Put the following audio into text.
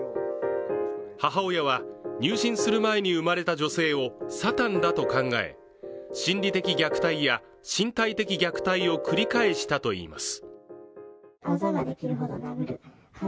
母親は入信する前に生まれた女性をサタンだと考え、心理的虐待や身体的虐待を繰り返したといいます。